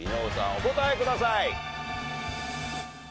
お答えください。